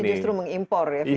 jadi justru mengimpor virusnya